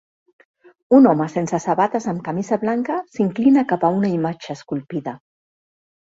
Un home sense sabates amb camisa blanca s'inclina cap a una imatge esculpida.